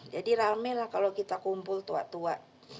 jadi ramai lah kalau kita kumpul tua tua